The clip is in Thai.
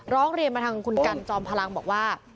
ร้องเรียนมาทางคุณกันจอมพลังบอกว่า